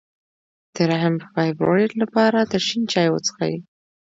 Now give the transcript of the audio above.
د رحم د فایبرویډ لپاره د شین چای وڅښئ